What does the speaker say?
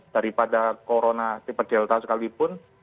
daripada corona tipe delta sekalipun